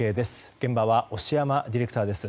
現場は押山ディレクターです。